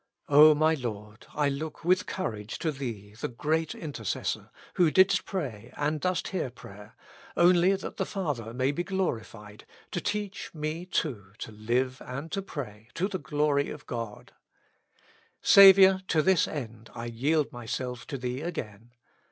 O my Lord ! I look with courage to Thee, the Great Intercessor, who didst pray and dost hear 163 With Christ in the School of Prayer. praj^er, only that the Father may be glorified, to teach me too to live and to pray to the glory of God. Saviour ! to this end I yield myself to Thee again.